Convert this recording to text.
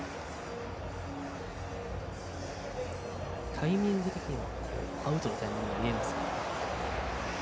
タイミング的にはアウトのタイミングに見えます。